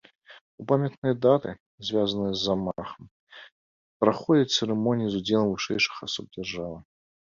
У памятныя даты, звязаныя з замахам, праходзяць цырымоніі з удзелам вышэйшых асоб дзяржавы.